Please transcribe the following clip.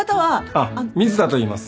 あっ水田といいます。